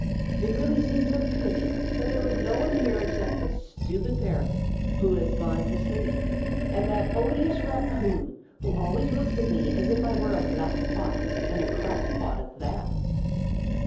It really seems a pity that there is no one here except the stupid parrot, who has gone to sleep, and that odious raccoon, who always looks at me as if I were a black pot, and a cracked pot at that."